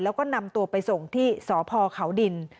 แล้วก็นำตัวไปส่งที่สพเขาดิน